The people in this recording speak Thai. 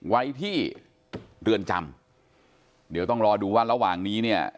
ไว้ที่เรือนจำเดี๋ยวต้องรอดูว่าระหว่างนี้เนี่ย